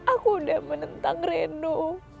aku udah menentang reno